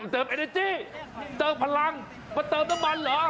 เติมเอเนจี้เติมพลังมาเติมน้ำมันเหรอ